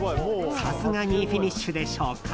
さすがにフィニッシュでしょうか。